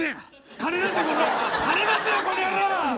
金出せよこの野郎！